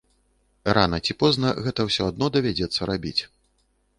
Рана ці позна гэта ўсё адно давядзецца рабіць.